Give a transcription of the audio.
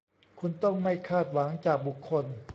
คุณต้องไม่คาดหวังจากบุคคล